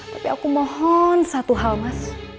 tapi aku mohon satu hal mas